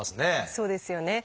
そうですよね。